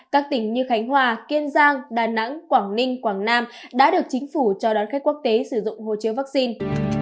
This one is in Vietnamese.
các tỉnh như khánh hòa kiên giang đà nẵng quảng ninh quảng nam đã được chính phủ cho đón khách quốc tế sử dụng hồ chứa vaccine